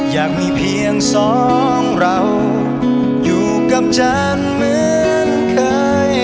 อยากมีเพียงสองเราอยู่กับฉันเหมือนเคย